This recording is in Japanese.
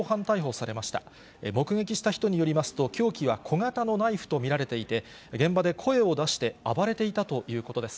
目撃した人によりますと、凶器は小型のナイフと見られていて、現場で声を出して暴れていたということです。